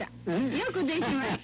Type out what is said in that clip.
「よくできました。